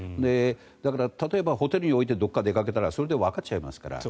だから、例えばホテルに置いてどこかへ出かけたらそれでわかっちゃいますから。